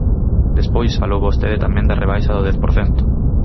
Despois falou vostede tamén da rebaixa do dez por cento.